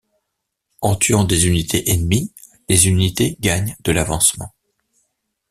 En tuant des unités ennemies, les unités gagnent de l’avancement.